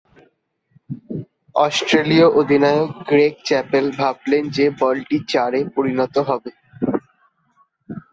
অস্ট্রেলীয় অধিনায়ক Greg Chappell ভাবলেন যে বলটি চারে পরিণত হবে।